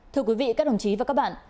thưa quý vị các đồng chí và các bạn